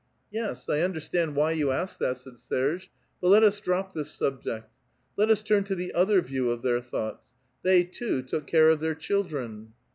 " Yes, I understand why you ask that," said Serge ;'■' but let us drop this subject. Let us turn to tiie other view of their thoughts. They, too, took care of their children."